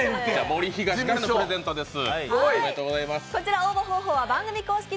森東からのプレゼントです。